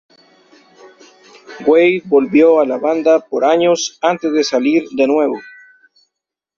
Wade volvió a la banda por años antes de salir de nuevo.